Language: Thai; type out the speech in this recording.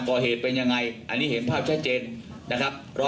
ก่อเหตุเป็นยังไงอันนี้เห็นภาพชัดเจนนะครับ